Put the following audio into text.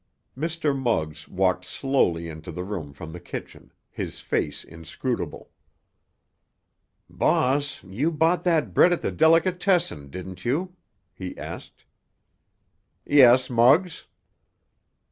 Mr. Muggs walked slowly into the room from the kitchen, his face inscrutable. "Boss, you bought that bread at the delicatessen, didn't you?" he asked. "Yes, Muggs."